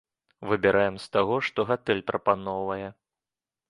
Выбіраем з таго, што гатэль прапаноўвае.